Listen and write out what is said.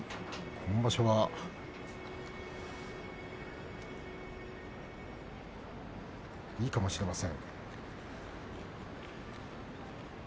今場所はいいかもしれません。